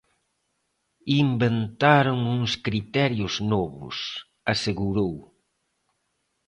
"Inventaron uns criterios novos", asegurou.